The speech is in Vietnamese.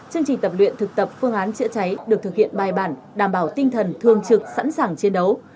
chương trình tập luyện thực tập phương án chữa cháy được thực hiện bài bản đảm bảo tinh thần thương trực sẵn sàng chiến đấu